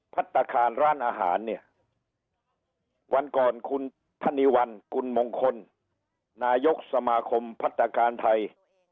พัฒนาคารร้านอาหารเนี่ยวันก่อนคุณธนีวันกุลมงคลนายกสมาคมพัฒนาการไทย